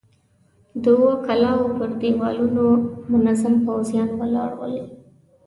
د اوو کلاوو پر دېوالونو منظم پوځيان ولاړ ول.